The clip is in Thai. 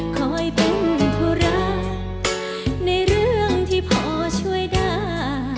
คอยเป็นธุระในเรื่องที่พอช่วยได้